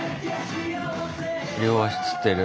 両足つってる。